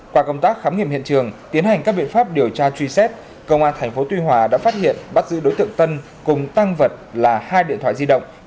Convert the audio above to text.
qua công tác khám nghiệm hiện trường tiến hành các biện pháp điều tra truy xét công an tp tuy hòa đã phát hiện bắt giữ đối tượng tân cùng tăng vật là hai điện thoại di động